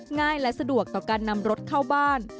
ง่ายและสะดวกต่อการนำรถเข้าบ้าน